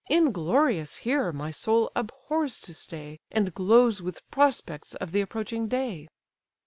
Inglorious here, my soul abhors to stay, And glows with prospects of th' approaching day."